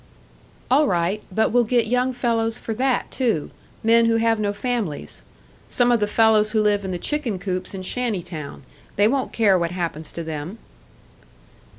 "All right, but we'll get young fellows for that too men who have no families. Some of the fellows who live in the chicken coops in shanty town. They won't care what happens to them."